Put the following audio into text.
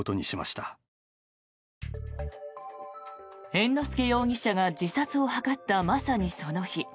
猿之助容疑者が自殺を図ったまさにその日